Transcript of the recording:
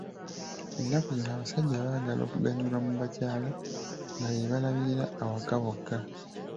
Ennaku zino abasajja baagala okuganyulwa mu bakyala nga be balabirira awaka bokka .